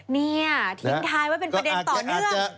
เนี่ยทิ้งท้ายว่าเป็นประเด็นต่อเรื่องก็อาจจะ